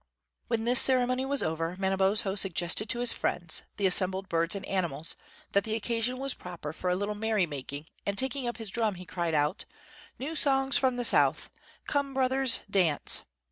When this ceremony was over, Manabozho suggested to his friends, the assembled birds and animals, that the occasion was proper for a little merry making; and taking up his drum, he cried out: "New songs from the South! Come, brothers, dance!"